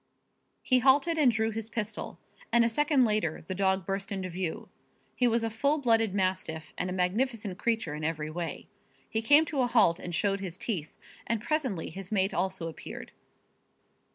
He halted and drew his pistol, and a second later the dog burst into view. He was a full blooded mastiff and a magnificent creature in every way. He came to a halt and showed his teeth, and presently his mate also appeared.